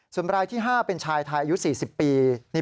ส่วนรายที่๕เป็นชายไทยอายุ๔๐ปี